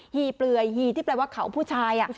ฮีเปลือยฮีที่เป็นว่าเขาผู้ชาย